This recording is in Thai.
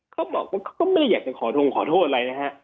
เขาบอกว่าเขาไม่ได้อยากจะขอโทษขอโทษอะไรนะครับ